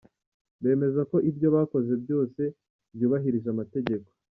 Bemeza ko ibyo bakoze byose byubahirije amategeko.